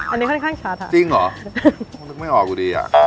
อันนี้ค่อนข้างชัดจริงเหรอคงนึกไม่ออกอยู่ดีอ่ะ